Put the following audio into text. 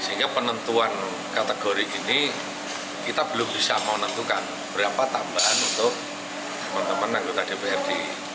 sehingga penentuan kategori ini kita belum bisa menentukan berapa tambahan untuk teman teman anggota dprd